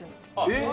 えっ！